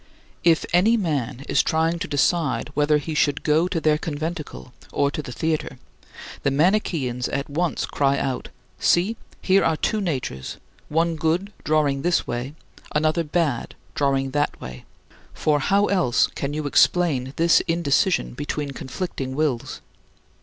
If any man is trying to decide whether he should go to their conventicle or to the theater, the Manicheans at once cry out, "See, here are two natures one good, drawing this way, another bad, drawing back that way; for how else can you explain this indecision between conflicting wills?"